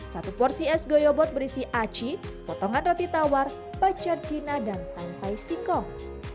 satu porsi es goyobot berisi aci potongan roti tawar pacar cina dan tampai sikong